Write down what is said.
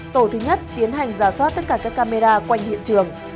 tổ thứ nhất tiến hành giả soát tất cả các camera quanh hiện trường